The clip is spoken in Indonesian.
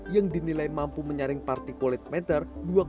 yang dinilai mampu menyaring partikulat meter dua lima